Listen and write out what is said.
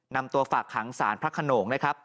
นำตัวฝากขังสารพระขนงนะครับ